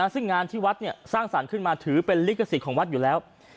ซึ่งงานที่วัดสร้างสรรค์ขึ้นมาถือเป็นลิขสิทธิ์ของวัดอยู่แล้ว